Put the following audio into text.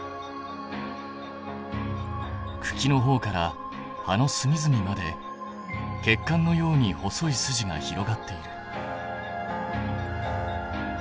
くきのほうから葉のすみずみまで血管のように細い筋が広がっている。